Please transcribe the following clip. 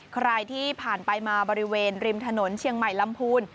ใครที่ผ่านไปมาบริเวณริมถนนเชียงใหม่ลำพูน